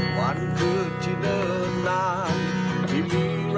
ขอบคุณครับ